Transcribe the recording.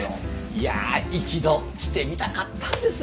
いや一度来てみたかったんですよ！